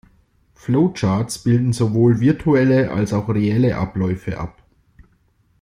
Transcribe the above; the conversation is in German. Flowcharts bilden sowohl virtuelle, als auch reelle Abläufe ab.